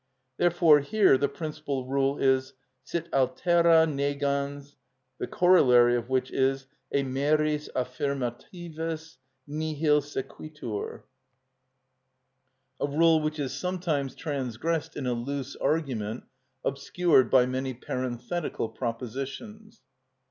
Therefore here the principal rule is: Sit altera negans; the corollary of which is: E meris affirmativis nihil sequitur; a rule which is sometimes transgressed in a loose argument obscured by many parenthetical propositions.